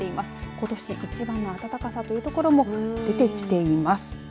ことし一番の暖かさという所も出てきています。